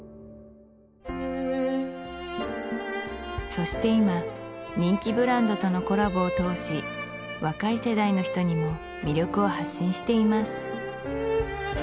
そして今人気ブランドとのコラボを通し若い世代の人にも魅力を発信しています